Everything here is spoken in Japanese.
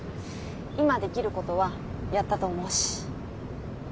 今できることはやったと思うし。